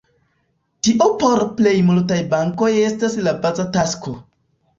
Tio por plej multaj bankoj estas la baza tasko.